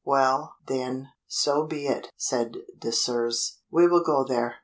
"Well, then, so be it," said Désirs; "we will go there."